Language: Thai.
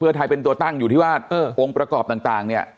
เพื่อไทยเป็นตัวตั้งอยู่ที่ว่าองค์ประกอบต่างเนี่ย